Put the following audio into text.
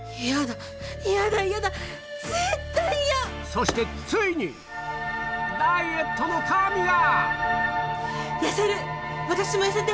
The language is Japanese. そしてついにダイエットの神が！